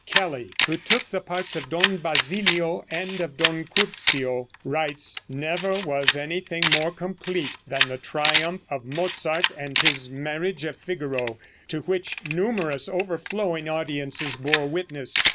Kelly, who took the parts of Don Basilio and of Don Curzio, writes: "Never was anything more complete than the triumph of Mozart and his 'Marriage of Figaro,' to which numerous overflowing audiences bore witness.